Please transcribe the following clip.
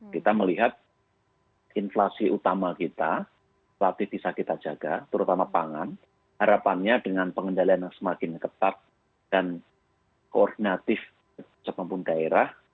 kita melihat inflasi utama kita latih bisa kita jaga terutama pangan harapannya dengan pengendalian yang semakin ketat dan koordinatif siapapun daerah